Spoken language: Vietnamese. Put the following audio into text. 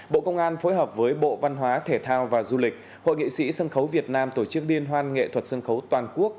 bộ công an phối hợp với bộ văn hóa thể thao và du lịch hội nghệ sĩ sân khấu việt nam tổ chức liên hoan nghệ thuật sân khấu toàn quốc